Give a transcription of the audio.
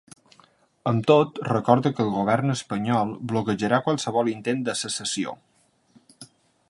Amb tot, recorda que el govern espanyol bloquejarà qualsevol intent de secessió.